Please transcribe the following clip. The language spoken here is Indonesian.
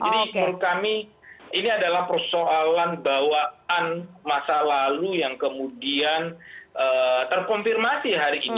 jadi menurut kami ini adalah persoalan bawaan masa lalu yang kemudian terkonfirmasi hari ini